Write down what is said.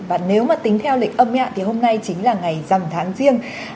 và nếu mà tính theo lịch âm ạ thì hôm nay chính là ngày rằm tháng riêng